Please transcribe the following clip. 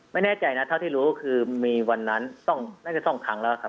ไม่แน่ใจนะเท่าที่รู้คือมีวันนั้นน่าจะ๒ครั้งแล้วครับ